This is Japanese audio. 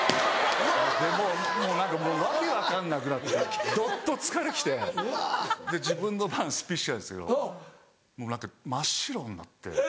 もう何かもう訳分かんなくなってどっと疲れきて自分の番スピーチ来たんですけどもう何か真っ白になって。